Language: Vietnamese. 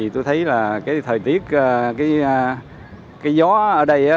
tôi thấy là thời tiết gió ở đây